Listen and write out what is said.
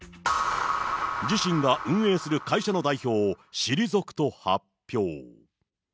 自身が運営する会社の代表を退くと発表。